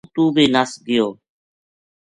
یوہ اُتو بے نَس گیو